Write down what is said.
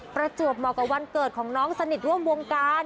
ประจวบเหมาะกับวันเกิดของน้องสนิทร่วมวงการ